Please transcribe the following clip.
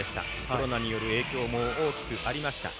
コロナによる影響も大きくありました。